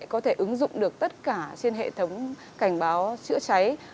có thể ứng dụng được tất cả trên hệ thống cảnh báo chữa cháy